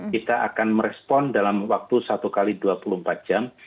kita akan merespon dalam waktu satu x dua puluh empat jam